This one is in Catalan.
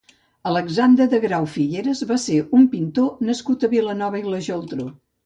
Alexandre de Grau Figueras va ser un pintor nascut a Vilanova i la Geltrú.